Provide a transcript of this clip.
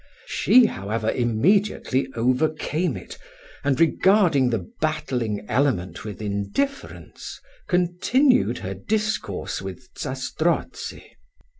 She, however, immediately overcame it, and regarding the battling element with indifference, continued her discourse with Zastrozzi.